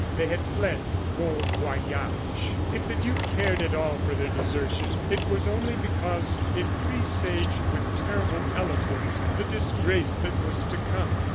They had fled bon voyage! If the duke cared at all for their desertion, it was only because it presaged with terrible eloquence the disgrace that was to come.